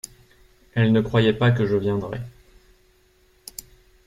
Elle ne croyait pas que je viendrais…